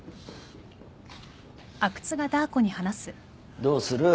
どうする？